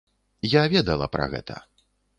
Я ведала пра гэта.